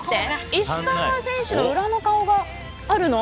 石川さんの裏の顔があるの。